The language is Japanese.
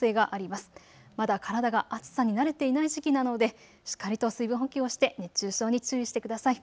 まだ体が暑さに慣れていない時期なのでしっかりと水分補給して熱中症に注意してください。